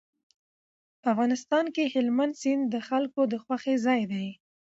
په افغانستان کې هلمند سیند د خلکو د خوښې ځای دی.